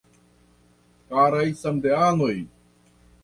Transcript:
Karaj Samideanoj!